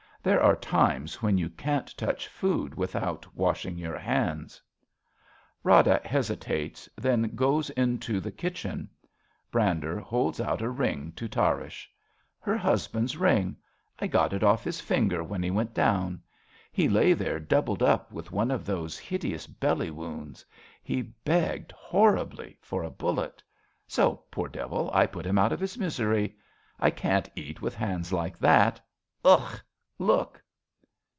There are times when you can't touch food without washing your hands. (Rada hesitates, then goes into the 30 A BELGIAN CHRISTMAS EVE kitchen. Brander holds out a ring to Tarrasch.) Her husband's ring, I got it off his finger When he went down. He lay there, doubled up, With one of those hideous belly wounds. He begged, Horribly, for a bullet ; so, poor devil, I put him out of his misery. I can't eat With hands like that. Ugh ! Look